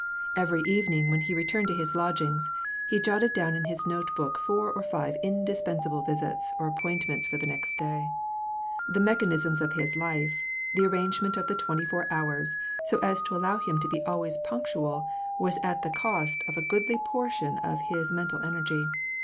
Every evening, when he returned to his lodgings, he jotted down in his note book four or five indispensable visits or ap pointments for the next day. The mechanisms of his life, the arrangement of the twenty four hours, so as to allow him to be always punctual, was at the cost of a goodly portion of his men tal energy.